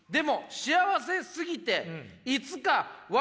幸せすぎて」